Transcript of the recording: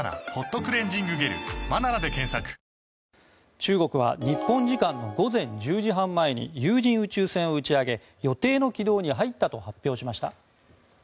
中国は日本時間の午前１０時半前に有人宇宙船を打ち上げ予定の軌道に入ったと発表しました。